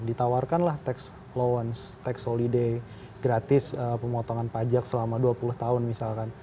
ditawarkanlah tax loance tax holiday gratis pemotongan pajak selama dua puluh tahun misalkan